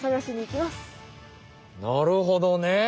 なるほどね。